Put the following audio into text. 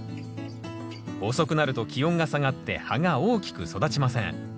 遅くなると気温が下がって葉が大きく育ちません。